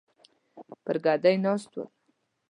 پر ګدۍ ناست ول.